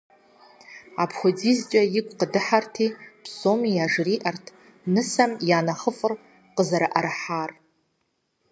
АпхуэдизкӀэ игу къыдыхьэрти, псоми яжриӀэрт нысэм я нэхъыфӀыр къызэрыӀэрыхьар.